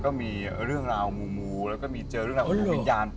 ก็มีเรื่องราวมูแล้วก็มีเจอเรื่องราวของดวงวิญญาณ